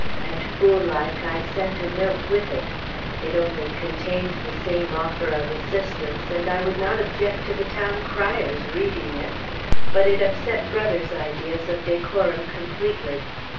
And, fool like, I sent a note with it. It only contained the same offer of assistance; and I would not object to the town crier's reading it; but it upset Brother's ideas of decorum completely.